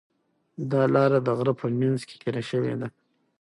دا لاره د غره په منځ کې تېره شوې ده.